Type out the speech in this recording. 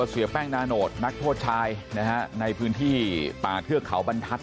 เสือแป้งนาโนชน์นักโทษชายในพื้นที่ป่าเทือกเขาบันทัศน์